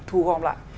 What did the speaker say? thu gom lại